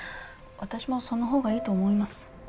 私もその方がいいと思います。